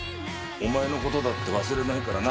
お前の事だって忘れないからな。